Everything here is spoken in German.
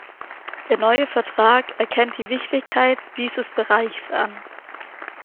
Der neue Vertrag erkennt die Wichtigkeit dieses Bereichs an.